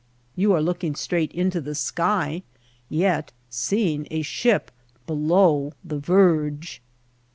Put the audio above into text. You are looking straight into the sky, yet see ing a ship below the verge.